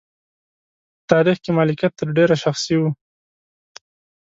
په تاریخ کې مالکیت تر ډېره شخصي و.